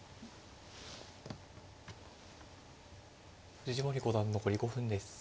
藤森五段残り５分です。